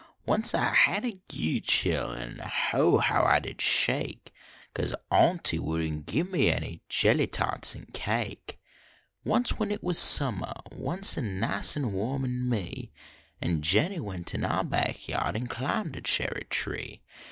Once I had a ague chill An oh, how I did shake Cause aunty wouldn t give me any Jelly tarts an cake. Once when it was summer Once, an nice an warm, nen me An" Jennie went in our back yard Nd climbed a cherry tree.